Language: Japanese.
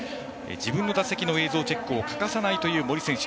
自分の打席の映像チェックを欠かさないという森選手。